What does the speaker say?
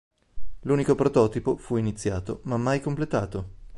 L'unico prototipo fu iniziato ma mai completato.